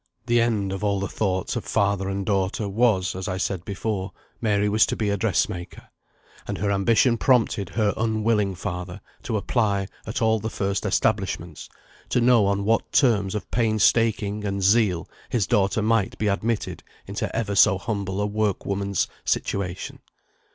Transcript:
The end of all the thoughts of father and daughter was, as I said before, Mary was to be a dressmaker; and her ambition prompted her unwilling father to apply at all the first establishments, to know on what terms of painstaking and zeal his daughter might be admitted into ever so humble a workwoman's situation.